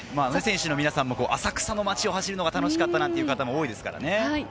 選手の皆さんも浅草の街を走るのが楽しかったって方が多いですからね。